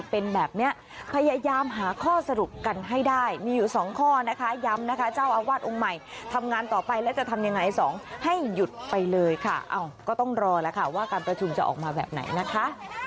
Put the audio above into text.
เป็นแบบนี้พยายามหาข้อสรุปกันให้ได้มีอยู่สองข้อนะคะย้ำนะคะเจ้าอาวาสองค์ใหม่ทำงานต่อไปแล้วจะทำยังไงสองให้หยุดไปเลยค่ะก็ต้องรอแล้วค่ะว่าการประชุมจะออกมาแบบไหนนะคะ